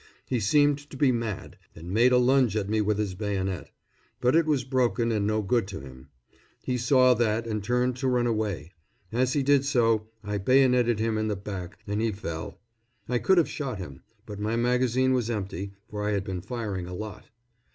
He seemed to be mad, and made a lunge at me with his bayonet; but it was broken and no good to him. He saw that and turned to run away. As he did so I bayoneted him in the back, and he fell. I could have shot him, but my magazine was empty, for I had been firing a lot.